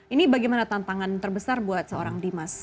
ini bagaimana tantangan terbesar buat seorang dimas